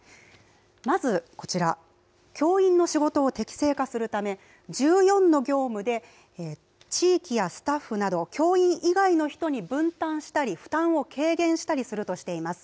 まずこちら、教員の仕事を適正化するため、１４の業務で地域やスタッフなど、教員以外の人に分担したり、負担を軽減したりするとしています。